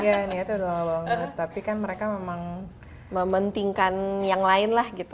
iya niatnya udah lama banget tapi kan mereka memang mementingkan yang lain lah gitu